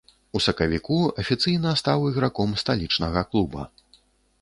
У сакавіку афіцыйна стаў іграком сталічнага клуба.